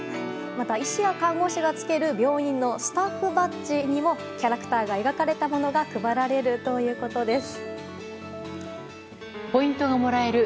医師や看護師がつける病院のスタッフバッジにもキャラクターが描かれたものが配られるということです。